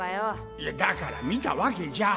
いやだから見たわけじゃ。